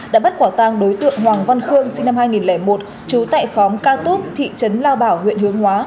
đã bắt quả tang đối tượng hoàng văn khương sinh năm hai nghìn một trú tại khóm ca túc thị trấn lao bảo huyện hướng hóa